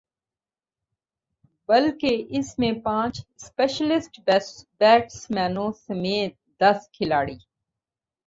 بلکہ اس میں پانچ اسپیشلسٹ بیٹسمینوں سمیت دس کھلاڑی